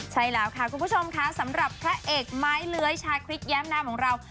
ใช่แล้วค่ะคุณผู้ชมค่ะสำหรับพระเอกไม้เลื้อยชาคริสแย้มนามของเรา